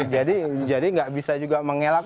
jadi jadi nggak bisa juga mengelak